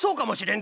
ん？